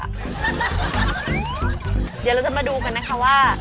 เดี๋ยวเราจะมาดูกันนะคะว่า